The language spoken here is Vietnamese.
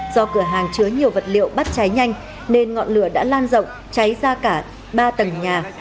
do cửa hàng chứa nhiều vật liệu bắt cháy nhanh nên ngọn lửa đã lan rộng cháy ra cả ba tầng nhà